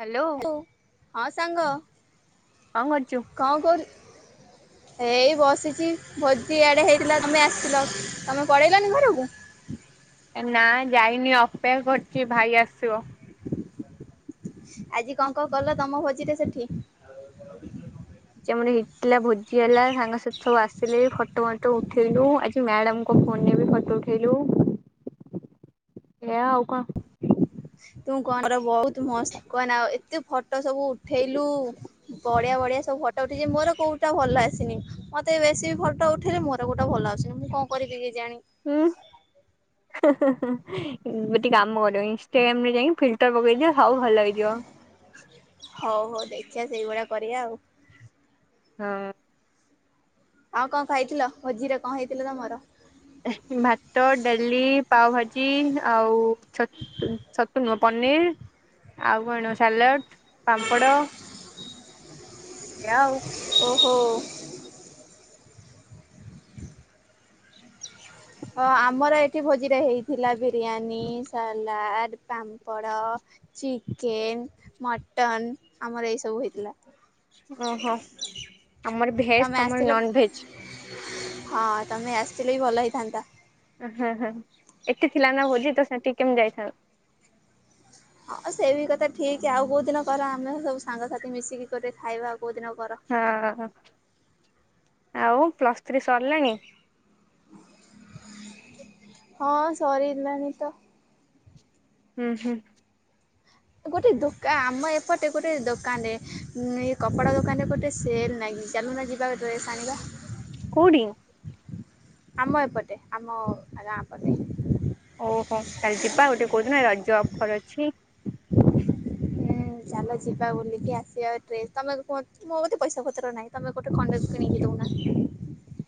Hello ହ ହଁ ସାଙ୍ଗ କଣ କରୁଛୁ? କଣ କରୁଚୁ। ଏଇ ବସିଛି ଭୋଜିଆଡ଼େ ହେଇଥିଲା ତୁମେ ଆସିଥିଲ ତମେ ପଳେଇଲନି ଘରକୁ? ଏ ନା ଯାଇନି ଅପେକ୍ଷା କରିଛି ଭାଇ ଆସିବ। ଆଜି କଣ କଣ କଲ ତମ ଭୋଜି ରେ ସେଠି? [inaudible] [inaudible] ଭୋଜି ହେଲା ସାଙ୍ଗସାଥି ସବୁ ଆସିଲେ ଫୋଟ ଫଟ ପଟ ଉଠେଇଲୁ ଆଜି ମ୍ୟାଡମ ଙ୍କ ଫୋନ ରେ ବି ଫଟୋ ଉଠେଇଲୁ, ଏଇୟା ଆଉ କଣ? ତୁ କହ [unintelligible] ବହୁତ୍ ମସ୍ତ କହନା ଆଉ ଏତେ ଫ ଫଟୋ ସବୁ ଉଠେଇଲୁ ବଢିଆ ବଢିଆ ସବୁ ଫଟୋ ଉଠେଇଛି ମୋର କୋଉଟା ଭଲ ଆସିନି ମତେ ମତେ ବେଶୀ ଫଟୋ ଉଠେଇଲେ ମୋର କୋଉଟା ଭଲ ଆସୁନି ମୁଁ କଣ କରିବି କେଜାଣି, ହୁଁ ଗୋଟେ କାମ କର ଇନଷ୍ଟାଗ୍ରାମ ରେ ଯାଇି ଫିଲ୍ଟର ପକେଇଦିଅ ସବୁ ଭଲ ହେଇଯିବ। ହଉ ହଉ ଦେଖିବା ସେଇ ଭଳିଆ କରିବା ଆଉ। ହଁ। ଆଉ କଣ ଖାଇଥିଲ ଭୋଜିରେ କଣ ହେଇଥିଲା ତମର? ଭାତ, ଡାଲି, ପାଓଭାଜି, ଆଉ ଛତୁ ପନିର୍, ଆଉ କଣ ସାଲାଡ଼, ପାମ୍ପଡ଼ ଏୟା ଆଉ। ଓହୋ‌। ହ ଆମର ଏଠି ଭୋଜିରେ ହେଇଥିଲା biryani, salad, papad chicken, mutton ଆମର ଏଇ ସବୁ ହେଇଥିଲା। ଓହୋ ଆମର ଭେଜ ତମେ ଆସିଥିଲ ତମର ନନ ଭେଜ। ହଁ ତମେ ଆସିଥିଲେ ବି ଭଲ ହେଇଥାନ୍ତା। ହଁ ହଁ ଏଠି ଥିଲା ନା ଭୋଜି ତ ସେଠିକି କେମିତି ଯାଇଥାନ୍ତି? ହଁ ସେଇ ବି କଥା ଠିକ୍ ଆଉ କୋଉ ଦିନ କର ଆମେ ସବୁ ସାଙ୍ଗସାଥି ମିଶିକି ଗୋଟେ ଖାଇବା ଆଉ କୋଉ ଦିନ କର। ହଁ ଆଉ ପ୍ଲସ୍ ଥ୍ରୀ ସରିଲାଣି? ହଁ ସରିଲାନି ତ ହୁଁ ହୁଁ। ଗୋଟେ ଦୋକା ଆମ ଏପଟେ ଗୋଟେ ଦୋକାନ ରେ କପଡା ଦୋକାନ ରେ ଗୋଟେ ସେଲ ନାଗିଚି ଚାଲୁନ ଯିବା। ଚାଲ ଡ୍ରେସ୍ ଆଣିବା। କୋଉଠି? ଆମ ଏପଟେ ଆମ ଗାଁ ପଟେ। ଓହୋ ତାହଲେ ଯିବା ଗୋଟେ କୋଉ ଦିନ ରଜ ଅଫର ଅଛି। ହୁଁ ଚାଲ ଯିବା ବୁଲିକି ଆସିବା ଟ୍ରେସ୍ ତମେ କୁହତ ମୋ ବୋଧେ ପଇସା ପତ୍ର ନାହିଁ ତମେ ଗୋଟେ ଖଣ୍ଡେକୁ କିଣିକି ଦେଉନା।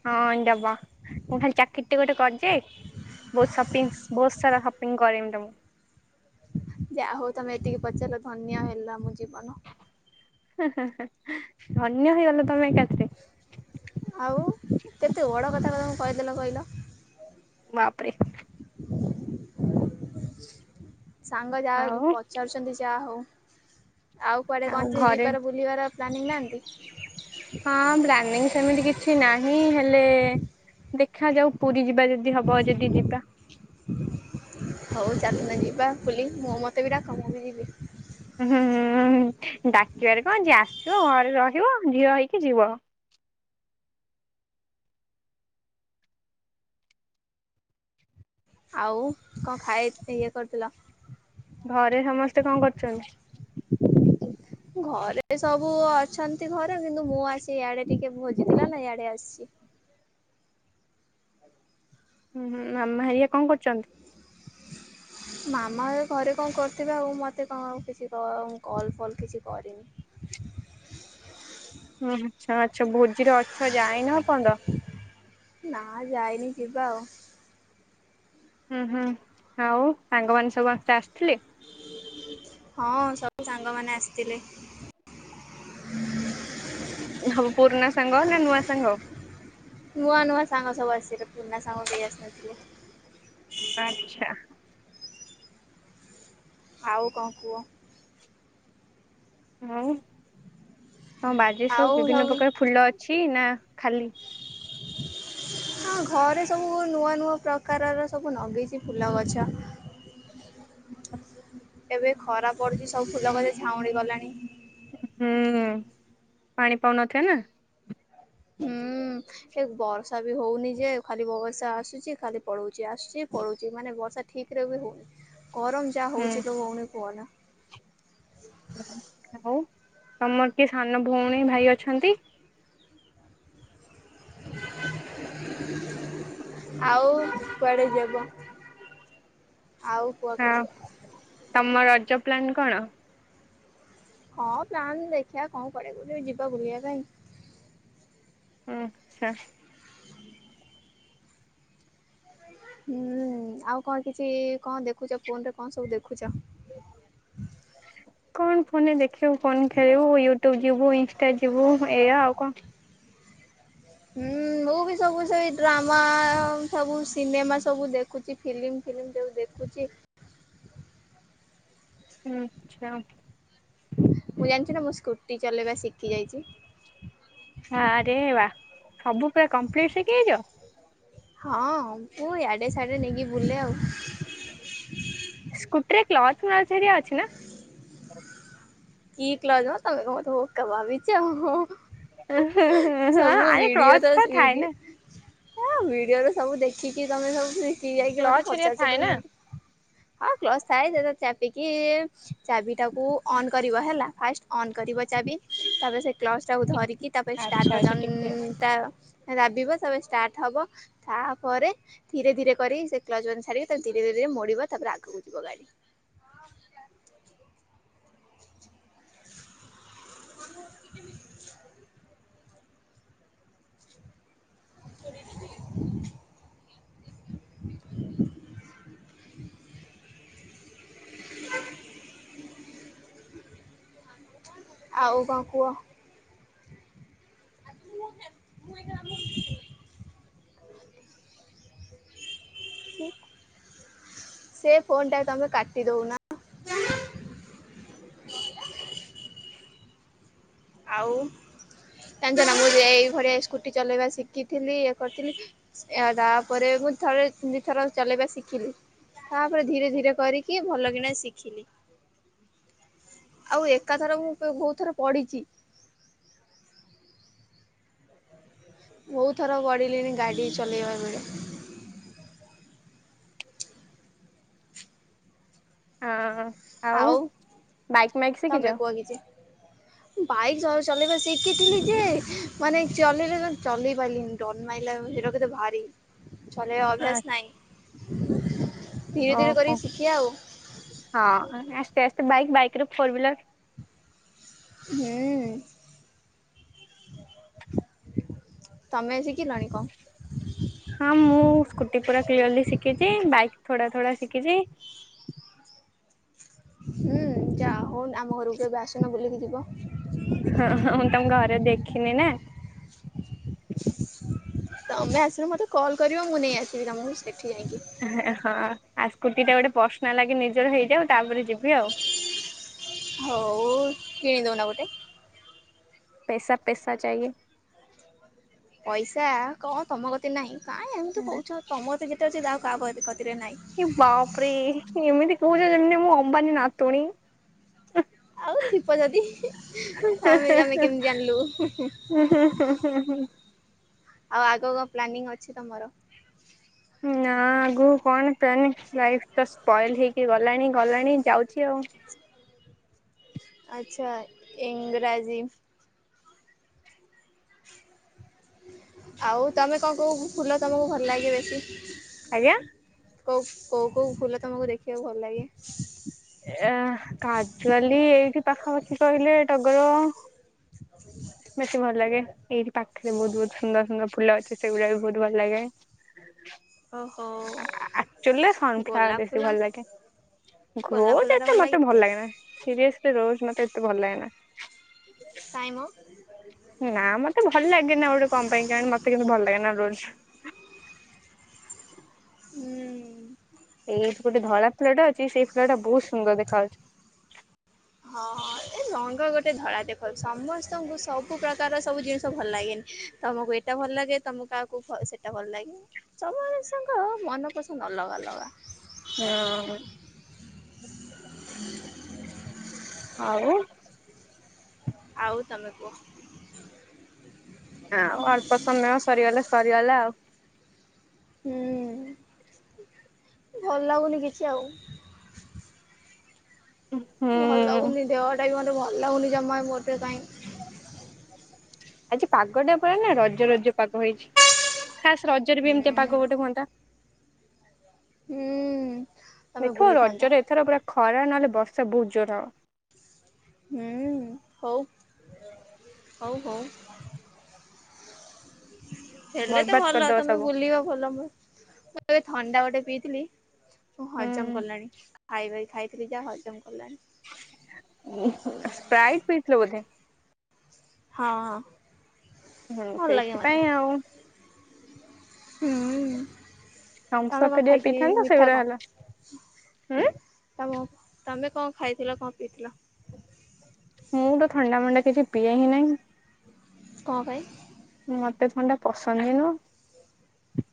ହଁ ଦବା ମୁଁ ଖାଲି ଚାକିରି ଟେ ଗୋଟେ କରି ଯାଏ। ଯୋଉ ସପିଙ୍ଗସ୍‌ ବହୁତ ସାରା ସପିଙ୍ଗ କରେଇମି ତମକୁ। ଯାହା ହଉ ତମେ ଏତିକି ପଚାରିଲ ଧନ୍ୟ ହେଲା ମୋ ଜୀବନ। ହିଁ ହିଁ ଧନ୍ୟ ହେଇଗଲ ତମେ ଏକାଥିରକେ। ଆଉ କେତେ ବଡ଼ କଥା ତମେ କହିଦେଲ କହିଲ। ବାପରେ। ସାଙ୍ଗ ଯାହା ଆଉ ପଚାରୁଛନ୍ତି ଯାହା ହଉ। ଆଉ କୁଆଡେ କଣ ଠି ଯିବାର ବୁଲିବାର ପ୍ଲାନିଂ ନାହାନ୍ତି? ହଁ ପ୍ଲାନିଙ୍ଗ ସେମିତି କିଛି ନାହିଁ ହେଲେ ଦେଖାଯାଉ ପୁରୀ ଯିବା ଯଦି ଯଦି ହବ ଯଦି ଯିବା ହଉ ଚାଲୁନା ଯିବା ବୁଲି ମୋ ମୋତେ ବି ଡାକ ମୁଁ ବି ଯିବି। ହୁଁ ହୁଁ ହୁଁ ହୁଁ ହୁ ଡାକିବାରେ କଣ ଅଛି ଆସିବ ଘରେ ରହିବ ଝିଅ ହେଇକି ଯିବ। ଆଉ କଣ ଖାଇ ଇଏ କରିଥିଲ। ଘରେ ସମସ୍ତେ କଣ କରୁଛନ୍ତି? ଘରେ ସବୁ ଅଛନ୍ତି ଘରେ କିନ୍ତୁ ମୁଁ ଆସି ଇଆଡେ ଟିକେ ଭୋଜିଥିଲା ନା ଇଆଡେ ଆସିଛି। ହୁଁ ହୁଁ ମାମା ଘରିଆ କଣ କରୁଛନ୍ତି? ମାମା ଏ ଘରେ କଣ କରିଥିବେ ଆଉ ମୋତେ କଣ କିଛି କଲ୍ ଫଲ୍ କିଛି କରିନି। [inaudible] ହୁଁ ଆଚ୍ଛା ଆଚ୍ଛା ଭୋଜିରେ ଅଛ ଯାଇନ ଏପର୍ଯ୍ଯନ୍ତ। ନା ଯାଇନି ଯିବା ଆଉ। ହୁଁ ହୁଁ ଆଉ ସାଙ୍ଗମାନେ ସବୁ ସମସ୍ତେ ଆସିଥିଲେ? ହଁ ସବୁ ସାଙ୍ଗ ମାନେ ଆସିଥିଲେ। ହଉ ପୁରୁଣା ସାଙ୍ଗ ନା ନୂଆ ସାଙ୍ଗ? ନୂଆ ନୂଆ ସାଙ୍ଗ ସବୁ ଆସିଲେ ପୁରୁଣା ସାଙ୍ଗ କେହି ଆସିନଥିଲେ। ଆଚ୍ଛା। ଆଉ କଣ କୁହ? ହଉ ହଁ ତମ ବାଜେ ସବୁ ବିଭିନ୍ନ ପ୍ରକାର ଫୁଲ ଅଛି ନା ଖାଲି ହଁ ଘରେ ସବୁ ନୂଆ ନୂଆ ପ୍ରକାରର ସବୁ ନଗେଇଛି ଫୁଲ ଗଛ। ଏବେ ଖରା ପଡୁଛି ସବୁ ଫୁଲ ଗଛ ଝାଉଁଳି ଗଲାଣି। ହୁଁ ପାଣି ପାଉ ନଥିବେ ନା ହୁଁ ଏ ବର୍ଷା ବି ହଉନି ଯେ ଖାଲି ବର୍ଷା ଆସୁଛି ଖାଲି ପଲଉଛି ଆସୁଛି ପଳଉଛି ମାନେ ବର୍ଷା ଠିକ୍ ରେ ବି ହଉନି ଗରମ ଯାହା ହୁଁ ହଉଛି ଲୋ ଭଉଣୀ କୁହନା। ଆଉ ତମର କିଏ ସାନ ଭଉଣୀ ଭାଇ ଅଛନ୍ତି? ଆଉ କୁଆଡେ ଯବ ଆଉ କୁହ ହଁ କିଛି? ତମ ରଜ ପ୍ଲାନ୍ କଣ? ହଁ ପ୍ଲାନ୍ ଦେଖିଆ କଣ କରିଆ ଯିବା ବୁଲିବା ପାଇଁ। ହଁ ଆଚ୍ଛା। ହୁଁ ଆଉ କଣ କିଛି କଣ ଦେଖୁଛ ଫୋନରେ କଣ ସବୁ ଦେଖୁଛ? କଣ ଫୋନରେ ଦେଖିବୁ କଣ ଖେଳିବୁ ୟୁଟ୍ୟୁବ ଯିବୁ ଇନଷ୍ଟା ଯିବୁ ଏଇଆ ଆଉ କଣ। ହୁଁ ମୁଁ ବି ସବୁ ସେ ଡ୍ରାମା ସବୁ ସିନେମା ସବୁ ଦେଖୁଛି ଫିଲ୍ମ ଫିଲ୍ମ ସବୁ ଦେଖୁଛି। ହୁଁ ଇନଷ୍ଟାଗ୍ରାମ୍ ମୁ ଜାଣିଛୁ ନା ମୁ ସ୍କୁଟି ଚଲେଇବା ଶିଖିଯାଇଛି। ଆରେ ବା ସବୁ ପୁରା କମ୍ପ୍ଲିଟ ସିକି ଯାଇଚ। ହଁ ମୁଁ ୟାଡେ ସଡେ ନେଇକି ବୁଲେ ଆଉ। ସ୍କୁଟିରେ କ୍ଲଥ ନଚରିଆ ଅଛି ନା। କି କ୍ଲଜ୍ ତମେ ତ ମୋତେ ବୋକା ଭାବିଚ। ଆରେ କ୍ଲଜ୍ ତ ଥାଏ ନା। ହଁ ଭିଡିଓରେ ସବୁ ଦେଖିକି ତମେ ସବୁ ଶିଖିଯାଇଛ। କ୍ଲଚ ମତେ ହେରିକା ପଚାରୁଛ ଥାଏ ନା କେମିତି ହଁ କ୍ଲସ ଥାଏ [unintelligible] ଚାପିକି ଚାବିଟାକୁ ଅନ୍ କରିବ ହେଲା। ଫାଷ୍ଟ ଅନ୍ କରିବ ଚାବି ତାପରେ ସେ କ୍ଲଜ ଟାକୁ ଧରିକି ତାପରେ ଆଚ୍ଛା ଷ୍ଟାର୍ଟ ଆଚ୍ଛା ଟିକେ ଭଜନ ଟା ଦାବିବ ତାପରେ ଷ୍ଟାର୍ଟ ହବ। ତାପରେ ଧୀରେ ଧୀରେ କରି ସେ କ୍ଲଜ ମାନେ ଛଡିକେ ତାଙ୍କୁ ଧୀରେ ଧୀରେ ଧୀରେ ମୋଡିବ ତାପରେ ଆଗକୁ ଯିବ ଗାଡି। ଆଉ କଣ କୁହ? ଆ ତ ମୁ [inaudible] ସେ ଫୋନ୍ ଟା ତମେ କାଟି ଦଉନା। ଆଉ ଜାଣିଛ ନା ମୁଁ ଏଇଭଳିଆ ସ୍କୁଟି ଚଲେଇବା ଶିଖିଥିଲି ଇଏ କରିଥିଲି ତାପରେ ମୁଁ ଥରେ ଦିଥର ଚଲେଇବା ଶିଖିଲି। ତାପରେ ଧିରେ ଧିରେ କରିକି ଭଲକିନା ଶିଖିଲି। ଆଉ ଏକା ଥର ମୁଁ ବହୁତ ଥର ପଡ଼ିଛି। ବହୁତ ଥର ପଡ଼ିଲିଣି ଗାଡ଼ି ଚଲେଇବାବେଳେ। ହଁ ଆଉ ବାଇକ ମାଇକ ଶିଖିଛ। ବାଇକ ଚଲେଇବା ଶିଖିଥିଲି ଯେ, ମାନେ ଚଲେଇଲା ଚଲେଇ ପାରିଲିନି। ନ ମାଇଲା ସେଟା କେତେ ଭାରି ଲେ ଆ ଅଭ୍ୟାସ ନାଇଁ। ଓହୋ ହଁ ଆସ୍ତେ ଆସ୍ତେ ବାଇକ ବାଇକରେ ଫୋର ହିଲର ହୁଁ ତମେ ଶିଖିଲଣି କଁ? ହଁ ମୁଁ ସ୍କୁଟି ପୁରା କ୍ଲିୟରଲି ଶିଖିଚି ବାଇକ୍ ଥଡ଼ା ଥଡ଼ା ଶିଖିଚି। ହୁଁ ଯାହଉ ଆମ ଘରକୁ ଏବେ ଆସନ ବୁଲିକି ଯିବ? ହଁ ହଁ ମୁଁ ତମ ଘରେ ଦେଖିନିନା। ତମେ ଆସିଲେ ମତେ କଲ୍ କରିବ ମୁଁ ନେଇ ଆସିବି ତମକୁ ସେଠି ଯାଇକି। ହଁ ଆଉ ସ୍କୁଟିଟା ଗୋଟେ ପର୍ସନାଲାଗି ନିଜର ହେଇଯାଉ ତାପରେ ଯିବି ଆଉ। ହଉ କିଣିଦଉନ ଗୋଟେ? ପେସା ପେସା ଚାଇଁଏ। ପଇସା କ ତମ କତି ଏତେ ନାହିଁ କାହିଁ ଏମିତି କହୁଚ ତମ କତିରେ ଯେତେ ଅଛି ଆଉକାହା କତିରେ ନାହିଁ। କି ବାପରେ ଏମିତି କହୁଚ ଯେମିତି ମୁଁ ଅମ୍ବାନୀ ନାତୁଣୀ। ଆଉ ଥିବ ଯଦି ଆମେ ଆମେ କେମିତି ଜାଣିଲୁ। ହୁଁ ହୁଁ ହୁଁ ହୁଁ ହୁଁ। ଆଉ ଆଗକୁ କଣ ପ୍ଲାନିଂ ଅଛି ତମର? ନା ଆଗକୁ କଣ ପ୍ଲାନ ଲାଇଫ୍ ତ ସ୍ପଏଲ ହେଇକି ଗଲାଣି ଗଲାଣି ଯାଉଚି ଆଉ। ଆଚ୍ଛା ଇଂରାଜୀ। ଆଉ ତମେ କଣ କ ଫୁଲ ତୁମକୁ ଭଲ ଲାଗେ ବେଶୀ? ଆଜ୍ଞା। କୋଉ କୋଉ କୋଉ ଫୁଲ ତମକୁ ଦେଖିବାକୁ ଭଲ ଲାଗେ? ଏ କାଜୁଆଲି ଏଇଠି ପାଖାପାଖି କହିଲେ ଟଗର ବେଶୀ ଭଲ ଲାଗେ ଏଇଠି ପାଖରେ ବହୁତ୍ ବହୁତ୍ ସୁନ୍ଦର ସୁନ୍ଦର ଫୁଲ ଅଛି ସେଗୁଡ଼ାକବି ବହୁତ୍ ଭଲ ଲାଗେ। ଓହୋ ଆକ୍ଚୁଆଲିରେ ଗୋଲାପ ଫୁଲ। ଗୋଲାପ ରୋଜ୍ ଫୁଲ ଟା ଏତେ ମତେ ଭଲ ଲାଗେନି ସିରିସଲି ରୋଜ୍ ମତେ ଏତେ ଭଲ ଲାଗେନି। କାଇଁ ମୋ? ନା ମତେ ଭଲ ଲାଗେନା ଗୋଟେ କଣ ପାଇଁ କଣ ମତେ କେମିତି ଭଲ ଲାଗେନା ରୋଜ୍। ହୁଁ। ଏଇଠି ଗୋଟେ ଧଳା ଫୁଲଟେ ଅଛି ସେଇ ଫୁଲଟା ବହୁତ୍ ସୁନ୍ଦର ଦେଖା ଯାଉଚି। ହଁ ହଁ। ଏ ରଙ୍ଗ ଗୋଟେ ଧଳା ଦେଖାଉଚି ସମସ୍ତଙ୍କୁ ସବୁ ପ୍ରକାରର ସବୁ ଜିନିଷ ଭଲ ଲାଗେନି ତମକୁ ସେଟା ଭଲ ଲାଗେ ତମକୁ କାହାକୁ ସେଟା ଭଲ ଲାଗେ ସବୁ ମଣିଷଙ୍କ ମନ ପସନ୍ଦ ଅଲଗା ଅଲଗା। ହଁ। ଆଉ? ଆଉ ତମେ କୁହ। ହଁ ଆଉ ଅଳ୍ପ ସମୟ ସରିଗଲେ ସରିଗଲା ଆଉ। ହୁଁ ଭଲ ଲାଗୁନି କିଛି ଆଉ। ଭଲ ହୁଁ ଲାଗୁନି ଦେହଟାବି ମୋତେ ଭଲ ଲାଗୁନି ଜମା ମୋଟେ କାଇଁ। ଆଜି ପାଗଟା ପୁରାନା ରଜ ରଜ ପାଗ ହେଇଚି ଖାସ୍ ରଜରେବି ଏମିତି ହୁଁ ପାଗ ପୋଟେ ହୁଅନ୍ତା। ହୁଁ। ତମେ ଦେଖିବ ବୁଲିଥାନ୍ତ ରଜରେ ଏଥର ପୁରା ଖରା ନହେଲେ ବର୍ଷା ବହୁତ୍ ଜୋରେ ହବ। ହୁଁ ହଉ ହଉ ହଉ। [inaudible] ହେଲେତ ବର୍ବାଦ ଭଲ କରିଦବ ତମେ ସବୁ ବୁଲିବା ଭଲ ମୁ ମୁଁ ଏବେ ଥଣ୍ଡା ଗୋଟେ ପିଇଥିଲି। ମୁଁ ହଜମ ହୁଁ। କଲାଣି ଖାଇବା ଖାଇଥିଲି ଯାହା ହଜମ କଲାଣି। ସ୍ପ୍ରାଇଟ ପିଇଥିଲ ବୋଧେ? ହଁ ହଁ। ହୁଁ ଭଲ ଲାଗେ ମତେ ସେଇଥିପାଇଁ ଆଉ। ହୁଁ ତମେ ଥମ୍ସଅପ୍ କଣ ହେରିକା ଖାଇକି ପିଇଥାନ୍ତ ମିଠା ସେଗୁରା ହେଲା। କଣ? ହୁଁ ଆଉ ତମେ କଣ ଖାଇଥିଲ କଣ ପିଇଥିଲ? ମୁଁ ତ ଥଣ୍ଡା ମଣ୍ଡା କିଛି ପିଏ ହିଁ ନାହିଁ। କଣ ପାଇଁ? ମତେ ଥଣ୍ଡା ପସନ୍ଦ ହିଁ ନୁହଁ।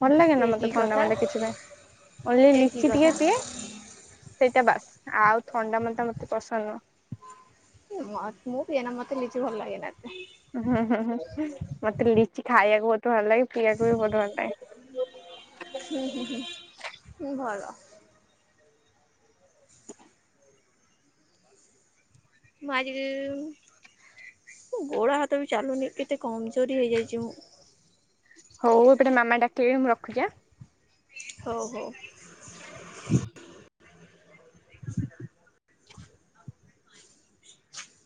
ଭଲ ଲାଗେ ନା ଏ ମତେ କି ଥଣ୍ଡା କଥା ମଣ୍ଡା କିଛି, [unintelligible] ଓନ୍ଲି ଏ କି ଲିଚି ଟିକେ କଥା। ପିଏ। ସେଇଟା ବାସ୍ ଆଉ ଥଣ୍ଡା ମଣ୍ଡା ମତେ ପସନ୍ଦ ନୁହଁ। [unintelligible] ମୁଁ ପିଏନା ମତେ ଲିଚି ଭଲ ଲାଗେନା। ହୁଁ ହୁଁ ହୁଁ ମତେ ଲିଚି ଖାଇବାକୁ ବହୁତ ଭଲ ଲାଗେ। ପିଇବାକୁ ବି ବହୁତ ଭଲ ଲାଗେ। ହୁଁ ହୁଁ ହୁଁଁ ଭଲ। ମୋ ଗୋଡ଼ ହାତ ବି ଚାଲୁନି କେତେ କମଜୋରି ହେଇଯାଇଛି ମୁଁ। ହଉ ଏପଟେ ମାମା ଡାକିଲେଣି ମୁଁ ରଖୁଛି ଆଁ? ହଉ ହଉ। ହ